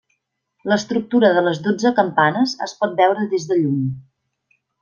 L'estructura de les dotze campanes es pot veure des de lluny.